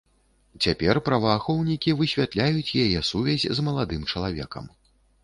Цяпер праваахоўнікі высвятляюць яе сувязь з маладым чалавекам.